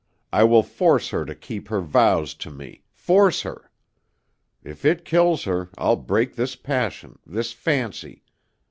I will force her to keep her vows to me force her. If it kills her, I'll break this passion, this fancy.